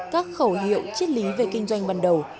các khẩu hiệu chiết lý về kinh doanh ban đầu